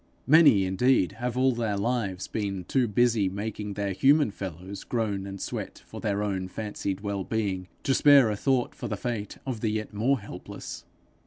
Many indeed have all their lives been too busy making their human fellows groan and sweat for their own fancied well being, to spare a thought for the fate of the yet more helpless.